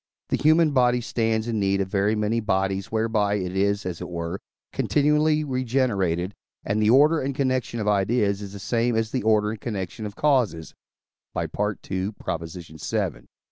the human body stands in need of very many bodies whereby it is, as it were, continually regenerated; and the order and connection of ideas is the same as the order and connection of causes (II. vii.)